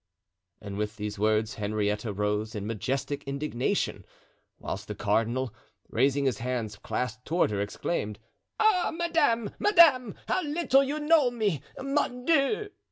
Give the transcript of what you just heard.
And with these words Henrietta rose in majestic indignation, whilst the cardinal, raising his hands clasped toward her, exclaimed, "Ah, madame, madame, how little you know me, mon Dieu!"